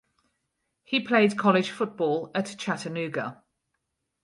He played college football at Chattanooga.